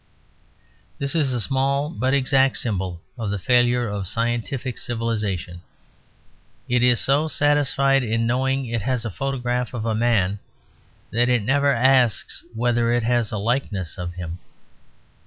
This is a small but exact symbol of the failure of scientific civilisation. It is so satisfied in knowing it has a photograph of a man that it never asks whether it has a likeness of him.